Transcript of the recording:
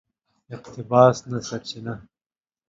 اقتباس نه سرچینه